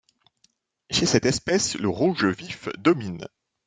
Chez cette espèce, le rouge vif domine.